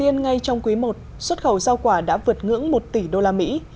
ngay trong quý i xuất khẩu rau quả đã vượt ngưỡng một tỷ đô la mỹ